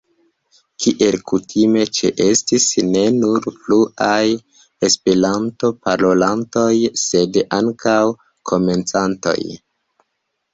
Kiel kutime ĉeestis ne nur fluaj Esperanto-parolantoj sed ankaŭ komencantoj.